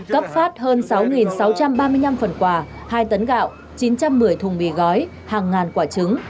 cấp phát hơn sáu sáu trăm ba mươi năm phần quà hai tấn gạo chín trăm một mươi thùng mì gói hàng ngàn quả trứng